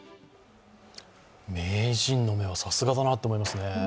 名人の目はさすがだなと思いますね。